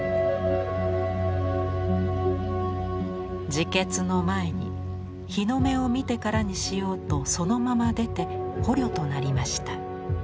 「自決の前に日の目を見てからにしようとそのまま出て捕虜となりました。